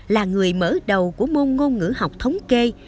là người mở đầu của môn ngôn ngữ học thống kê